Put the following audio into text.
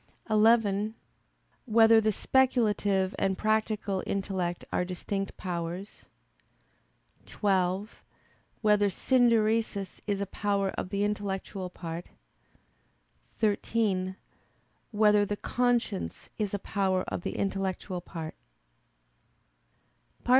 (11) Whether the speculative and practical intellect are distinct powers? (12) Whether "synderesis" is a power of the intellectual part? (13) Whether the conscience is a power of the intellectual part?